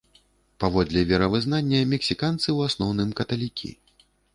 Паводле веравызнання мексіканцы ў асноўным каталікі.